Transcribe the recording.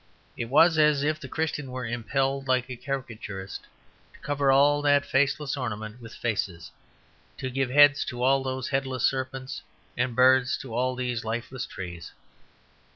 It was as if the Christian were impelled, like a caricaturist, to cover all that faceless ornament with faces; to give heads to all those headless serpents and birds to all these lifeless trees.